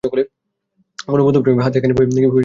কোনো বন্ধুবান্ধব নাই, হাতে একখানি বই কিংবা খবরের কাগজ নাই।